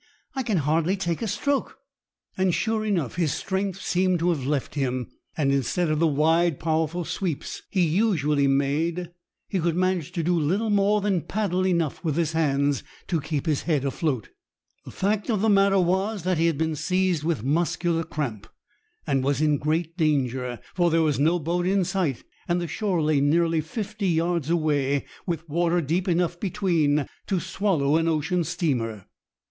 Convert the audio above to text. I can hardly take a stroke." And, sure enough, his strength seemed to have left him. and instead of the wide, powerful sweeps he usually made, he could manage to do little more than paddle enough with his hands to keep his head afloat. The fact of the matter was that he had been seized with muscular cramp, and was in great danger, for there was no boat in sight, and the shore lay nearly fifty yards away, with water deep enough between to swallow an ocean steamer.